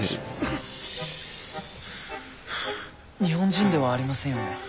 日本人ではありませんよね？